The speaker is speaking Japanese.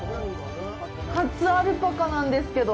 初アルパカなんですけど。